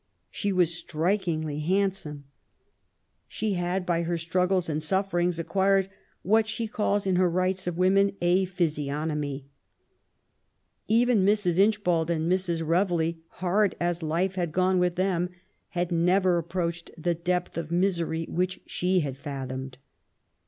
She was strikingly handsome. She had, by WILLIAM GODWIN. 181 her struggles and sufferings, acquired what she calls in her Rights of Women a physionomie. Even Mrs. Incbbald and Mrs. Reveley^ hard as life had gone with them, had never approached the depth of misery which she had fathomed.